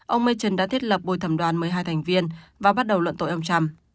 ông maton đã thiết lập bồi thẩm đoàn một mươi hai thành viên và bắt đầu luận tội ông trump